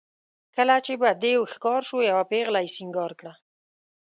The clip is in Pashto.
کله چې به دېو ښکاره شو یوه پېغله یې سینګار کړه.